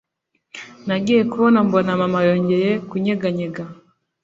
Nagiye kubona mbona mama yongeye kunyeganyega